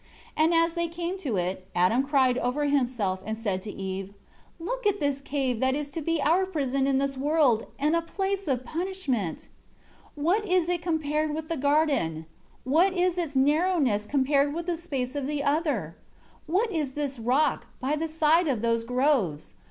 3 And as they came to it, Adam cried over himself and said to Eve, "Look at this cave that is to be our prison in this world, and a place of punishment! 4 What is it compared with the garden? What is its narrowness compared with the space of the other? 5 What is this rock, by the side of those groves?